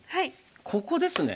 ここですね。